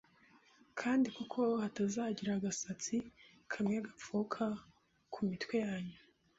Kandi kuko hatazagira agasatsi kamwe gapfuka ku mitwe yanyu